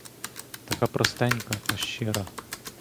Така простенька, та щира.